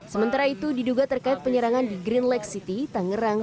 sementara itu diduga terkait penyerangan di green lake city tangerang